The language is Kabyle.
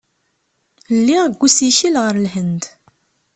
Lliɣ deg usikel ɣer Lhend.